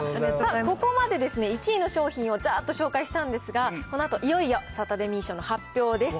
ここまでですね、１位の商品をざーっと紹介したんですが、このあといよいよサタデミー賞の発表です。